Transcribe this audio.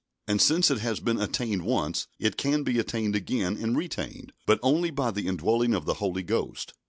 And since it has been attained once, it can be attained again and retained, but only by the indwelling of the Holy Ghost.